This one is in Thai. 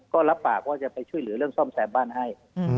ก็รับปากว่าจะไปช่วยเหลือเรื่องซ่อมแซมบ้านให้